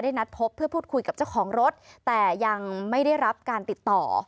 นัดพบเพื่อพูดคุยกับเจ้าของรถแต่ยังไม่ได้รับการติดต่อ